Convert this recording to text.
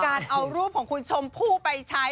การเอารูปของคุณชมพู่ไปใช้